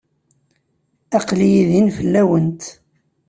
Aql-iyi din fell-awent.